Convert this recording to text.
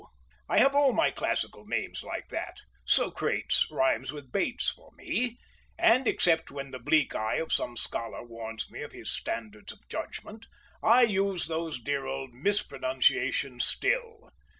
I have all my classical names like that,—Socrates rhymes with Bates for me, and except when the bleak eye of some scholar warns me of his standards of judgment, I use those dear old mispronunciations still.